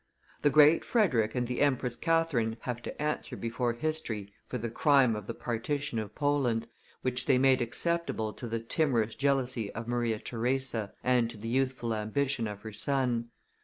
The Great Frederick and the Empress Catherine have to answer before history for the crime of the partition of Poland, which they made acceptable to the timorous jealousy of Maria Theresa and to the youthful ambition of her son.